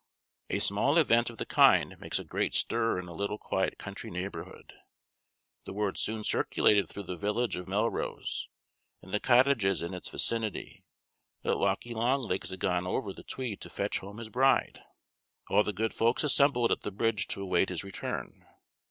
A small event of the kind makes a great stir in a little quiet country neighborhood. The word soon circulated through the village of Melrose, and the cottages in its vicinity, that Lauckie Long Legs had gone over the Tweed to fetch home his bride. All the good folks assembled at the bridge to await his return.